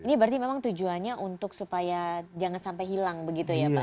ini berarti memang tujuannya untuk supaya jangan sampai hilang begitu ya pak